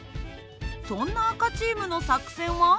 そんな赤チームの作戦は？